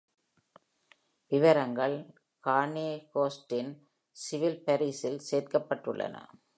விவரங்கள் ஹார்னிங்ஹோல்டின் சிவில் பாரிஷில் சேர்க்கப்பட்டுள்ளன.